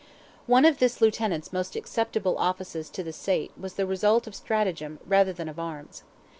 One of this Lieutenant's most acceptable offices to the State was the result of stratagem rather than of arms.